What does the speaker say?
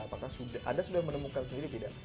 apakah anda sudah menemukan sendiri tidak